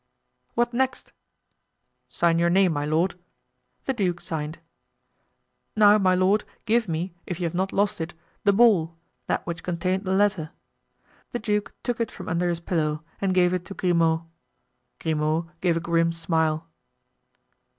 "What next?" "Sign your name, my lord." The duke signed. "Now, my lord, give me, if you have not lost it, the ball—that which contained the letter." The duke took it from under his pillow and gave it to Grimaud. Grimaud gave a grim smile.